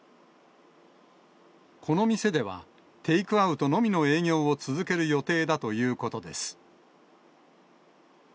この店では、テイクアウトのみの営業を続ける予定だということです。